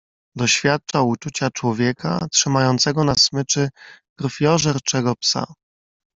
"Doświadczał uczucia człowieka, trzymającego na smyczy krwiożerczego psa."